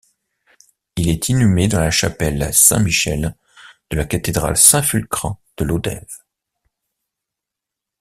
Il est inhumé dans la chapelle Saint-Michel de la cathédrale Saint-Fulcran de Lodève.